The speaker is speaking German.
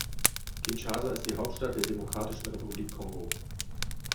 Kinshasa ist die Hauptstadt der Demokratischen Republik Kongo.